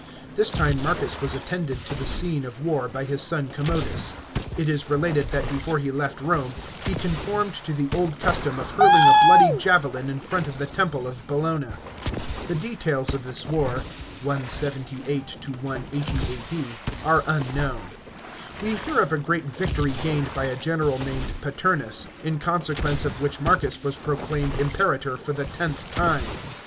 This time Marcus was attended to the scene of war by his son Commodus. It is related that before he left Rome he conformed to the old custom of hurling a bloody javelin in front of the temple of Bellona. The details of this war (178 180 A.D.) are unknown. We hear of a great victory gained by a general named Paternus, in consequence of which Marcus was proclaimed Imperator for the tenth time.